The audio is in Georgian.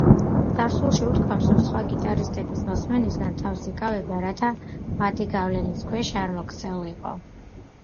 წარსულში უთქვამს, რომ სხვა გიტარისტების მოსმენისგან თავს იკავებდა, რათა მათი გავლენის ქვეშ არ მოქცეულიყო.